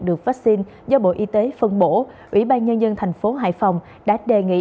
được vaccine do bộ y tế phân bổ ủy ban nhân dân tp hcm đã đề nghị